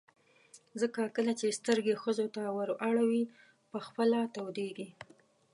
ځکه کله چې ته سترګې ښځو ته ور اړوې په خپله تودېږي.